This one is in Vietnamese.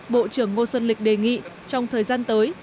bộ trưởng ngô xuân lịch đề nghị trong thời gian tới